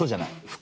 服？